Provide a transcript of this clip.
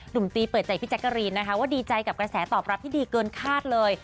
ตีเปิดใจพี่แจ๊กกะรีนนะคะว่าดีใจกับกระแสตอบรับที่ดีเกินคาดเลย